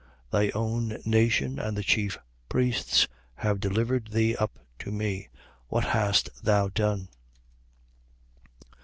Thy own nation and the chief priests have delivered thee up to me. What hast thou done?